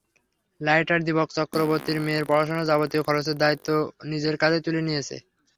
Lighter Dipak চক্রবর্তীর মেয়ের পড়াশোনার যাবতীয় খরচের দায়িত্ব নিজেদের কাঁধে তুলে নিয়েছে।